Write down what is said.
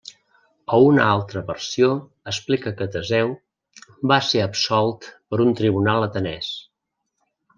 O una altra versió explica que Teseu va ser absolt per un tribunal atenès.